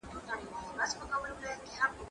که وخت وي واښه راوړم